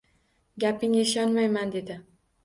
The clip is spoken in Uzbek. — Gapingga ishonmayman, — dedi. —